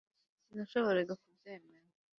Sinashoboraga kubyemera